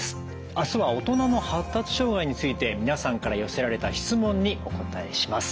明日は「大人の発達障害」について皆さんから寄せられた質問にお答えします。